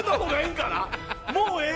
もうええ？